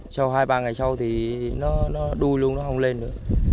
sau hai ba ngày sau thì nó đuôi luôn nó không lên nữa